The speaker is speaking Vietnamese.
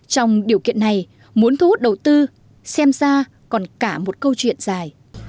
trong điều kiện này muốn thu hút đầu tư xem ra còn cả một câu chuyện dài